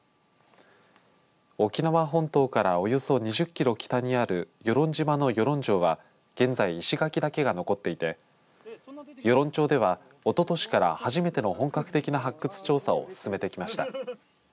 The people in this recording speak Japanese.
沖縄本島からおよそ２０キロ北にある与論島の与論城は現在、石垣だけが残っていて与論城では、おととしから初めての本格的な発掘調査を進めてきました。